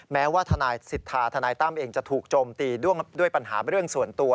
แม้ว่าทนายสิทธาทนายตั้มเองจะถูกโจมตีด้วยปัญหาเรื่องส่วนตัว